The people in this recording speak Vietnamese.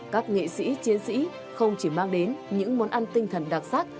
các nghệ sĩ chiến sĩ không chỉ mang đến những món ăn tinh thần đặc sắc